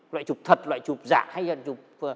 loại chụp thật loại chụp giả hay là chụp